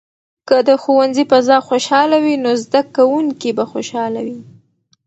که د ښوونځي فضا خوشحاله وي، نو زده کوونکي به خوشاله وي.